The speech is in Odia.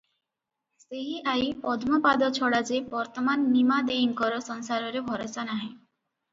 ସେହି ଆଈ ପଦ୍ମପାଦ ଛଡା ଯେ ବର୍ତ୍ତମାନ ନିମା ଦେଈଙ୍କର ସଂସାରରେ ଭରସା ନାହିଁ ।